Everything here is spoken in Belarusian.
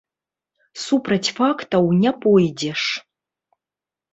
Супраць фактаў не пойдзеш.